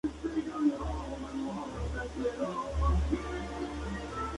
La prolongación del asedio hizo que Kublai Khan perdiera la paciencia.